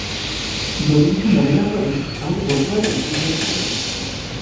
যদি কিছু মনে না করেন আমাকে বলতে পারবেন কী হয়েছিল?